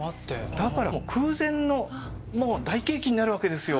だからもう空前のもう大景気になるわけですよ。